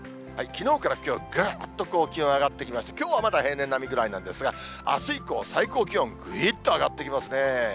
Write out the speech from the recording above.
きのうからきょう、ぐっと気温上がってきまして、きょうはまだ平年並みぐらいなんですが、あす以降、最高気温ぐいっと上がってきますね。